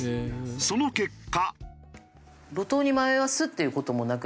その結果。